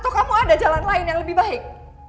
atau kamu ada jalan lain yang lebih baik